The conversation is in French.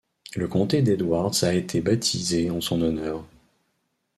Le comté d'Edwards a été baptisé en son honneur.